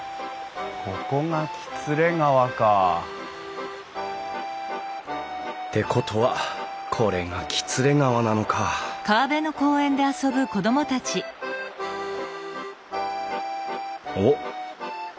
ここが喜連川か。ってことはこれが喜連川なのかおっ。